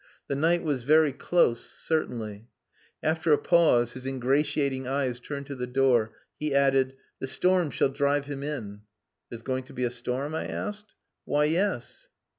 The night was very close, certainly. After a pause, his ingratiating eyes turned to the door, he added "The storm shall drive him in." "There's going to be a storm?" I asked. "Why, yes!"